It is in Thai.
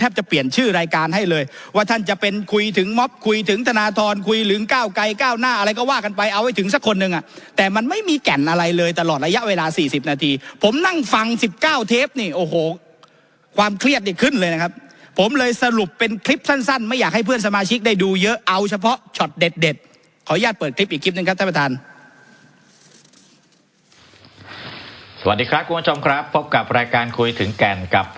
คุยถึงม๊อบคุยถึงธนาธรณ์คุยหลึงก้าวไก่ก้าวหน้าอะไรก็ว่ากันไปเอาให้ถึงสักคนหนึ่งอ่ะแต่มันไม่มีแก่นอะไรเลยตลอดระยะเวลา๔๐นาทีผมนั่งฟัง๑๙เทปนี่โอ้โหความเครียดขึ้นเลยนะครับผมเลยสรุปเป็นคลิปสั้นไม่อยากให้เพื่อนสมาชิกได้ดูเยอะเอาเฉพาะช็อตเด็ดขออนุญาตเปิดคลิปอีกคลิปนึงครับ